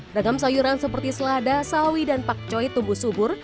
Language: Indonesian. ragam sayuran seperti selada sawi dan pakcoy tumbuh subur